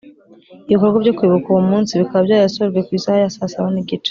Ibikorwa byo kwibuka uwo munsi bikaba byarasojwe ku isaha ya saa saba n igice